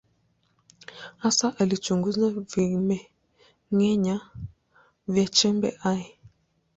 Hasa alichunguza vimeng’enya vya chembe hai.